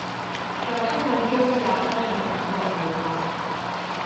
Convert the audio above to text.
在黑暗中也不再感到害怕